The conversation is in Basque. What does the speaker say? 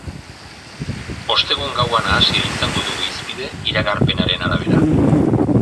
Ostegun gaua nahasia izango dugu hizpide, iragarpenaren arabera.